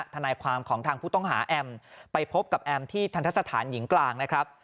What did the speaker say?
ทนายความของทางผู้ต้องหาแอมไปพบกับแอมที่ทันทะสถานหญิงกลางนะครับ